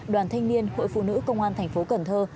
đoàn thanh niên hội phụ nữ công an tp cần thơ